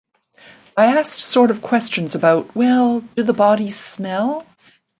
I asked sort of questions about, 'Well, do the bodies smell?